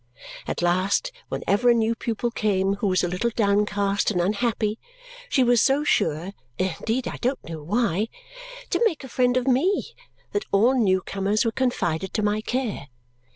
At last, whenever a new pupil came who was a little downcast and unhappy, she was so sure indeed I don't know why to make a friend of me that all new comers were confided to my care.